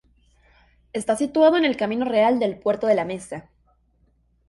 Está situado en el Camino Real del Puerto de la Mesa.